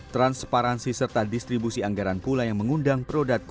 transparansi serta distribusi anggaran pula yang mengundang produksi